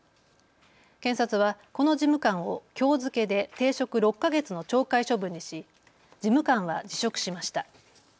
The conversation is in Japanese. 検察はこの事務官をきょう付けで停職６か月の懲戒処分にし事務官は辞職しました。